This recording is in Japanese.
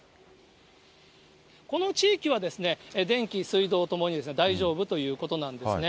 この地域は電気、水道ともに大丈夫ということなんですね。